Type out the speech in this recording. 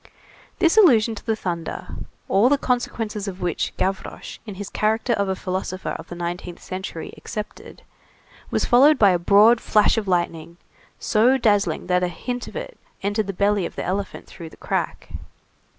This allusion to the thunder, all the consequences of which Gavroche, in his character of a philosopher of the nineteenth century, accepted, was followed by a broad flash of lightning, so dazzling that a hint of it entered the belly of the elephant through the crack.